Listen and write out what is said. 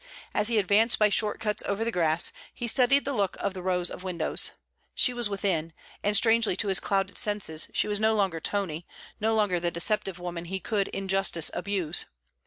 As he advanced by short cuts over the grass, he studied the look of the rows of windows. She was within, and strangely to his clouded senses she was no longer Tony, no longer the deceptive woman he could in justice abuse.